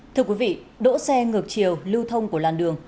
thưa quý vị đỗ xe ngược chiều lưu thông của làn đường